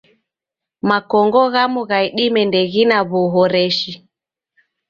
Makongo ghamu gha idime ndeghine w'uhoreshi.